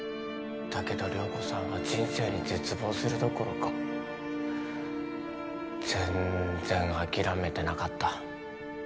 だけど涼子さんは人生に絶望するどころか全然諦めてなかった。